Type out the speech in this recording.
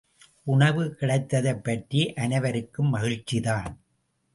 உணவு கிடைத்ததைப்பற்றி அனைவருக்கும் மகிழ்ச்சிதான்.